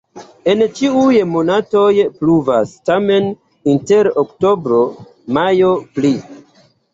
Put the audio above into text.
En ĉiuj monatoj pluvas, tamen inter oktobro-majo pli.